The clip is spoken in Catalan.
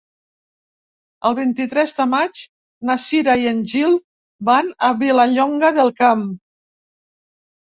El vint-i-tres de maig na Cira i en Gil van a Vilallonga del Camp.